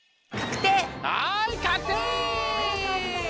はいかくてい！